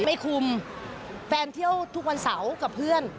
ไม่คุมแฟนเที่ยวทุกวันเสาร์กับเพื่อน